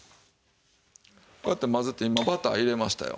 こうやって混ぜて今バター入れましたよ。